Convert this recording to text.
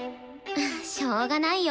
しょうがないよ。